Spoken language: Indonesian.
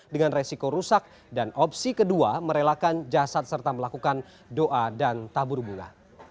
dengan resiko rusak dan opsi kedua merelakan jasad serta melakukan doa dan tabur bunga